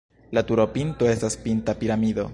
La turopinto estas pinta piramido.